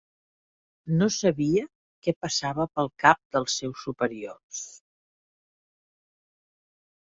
No sabia què passava pel cap dels seus superiors.